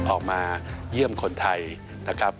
ออกมาเยี่ยมคนไทยนะครับ